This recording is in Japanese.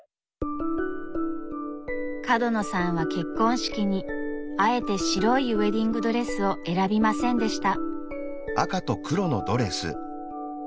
角野さんは結婚式にあえて白いウエディングドレスを選びませんでした。